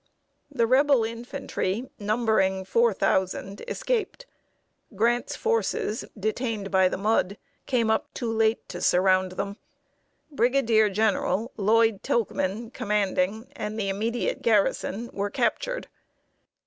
The Rebel infantry, numbering four thousand, escaped. Grant's forces, detained by the mud, came up too late to surround them. Brigadier General Lloyd Tilghman, commanding, and the immediate garrison, were captured.